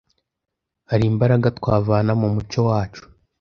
Hari imbaraga twavana mu muco wacu